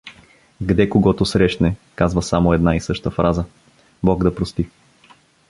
Где когото срещне, казва само една и съща фраза: Бог да прости.